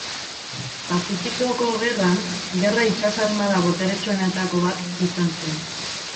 Pazifikoko Gerran gerra itsas armada boteretsuenetako bat izan zen.